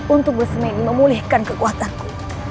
untuk bersemengi memulihkan kekuatanku